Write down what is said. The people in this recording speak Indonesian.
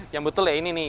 yang betul ya ini nih